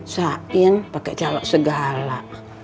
sain pake calok segala